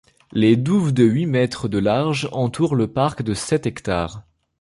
Les douves de huit mètres de large entourent le parc de sept hectares.